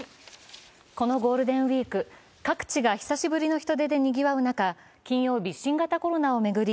このゴールデンウイーク、各地が久しぶりの人出でにぎわう中、金曜日、新型コロナを巡り